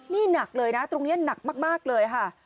นี่หนักเลยนะตรงนี้หนักมากเลยค่ะ